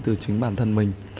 đây đến từ chính bản thân mình